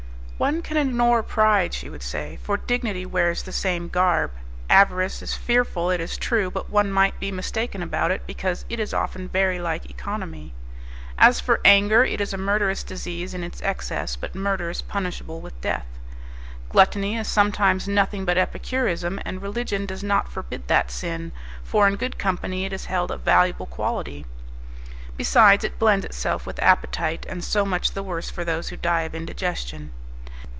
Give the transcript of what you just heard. "One can ignore pride," she would say, "for dignity wears the same garb. Avarice is fearful, it is true; but one might be mistaken about it, because it is often very like economy. As for anger, it is a murderous disease in its excess, but murder is punishable with death. Gluttony is sometimes nothing but epicurism, and religion does not forbid that sin; for in good company it is held a valuable quality; besides, it blends itself with appetite, and so much the worse for those who die of indigestion.